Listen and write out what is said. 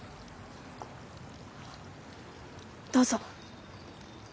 どうぞ。